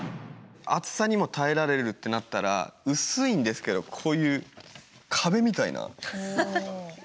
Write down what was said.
熱さにも耐えられるってなったら薄いんですけどこういう壁みたいな。